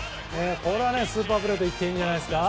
これはスーパープレーといっていいんじゃないですか。